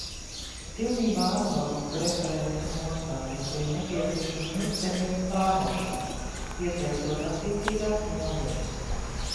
Es pilnībā atbalstu referenta nostāju, ka ir nepieciešama ilgtermiņa plānošana, iesaistot attiecīgās nozares.